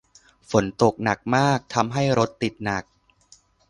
ฝนตกหนักมาก ทำให้รถติดหนัก